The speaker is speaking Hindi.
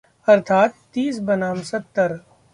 अर्थात्ः तीस बनाम सत्तर